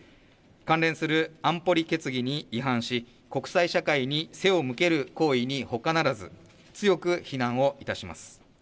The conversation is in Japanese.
関連する安保理決議に違反し、国際社会に背を向ける行為にほかならず、強く非難をいたします。